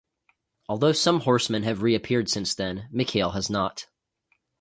Although some Horsemen have reappeared since then, Mikhail has not.